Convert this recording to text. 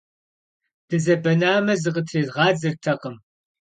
Дызэбэнами, зыкъытрезгъадзэртэкъым.